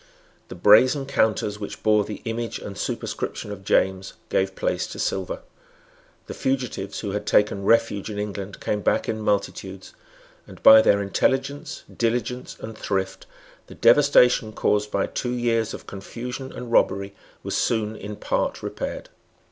The brazen counters which bore the image and superscription of James gave place to silver. The fugitives who had taken refuge in England came back in multitudes; and, by their intelligence, diligence and thrift, the devastation caused by two years of confusion and robbery was soon in part repaired.